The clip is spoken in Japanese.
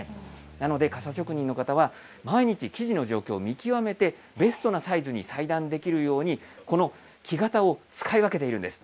なので傘職人の方は、毎日生地の状況を見極めて、ベストなサイズに裁断できるように、この木型を使い分けているんです。